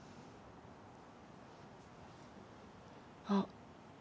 あっ。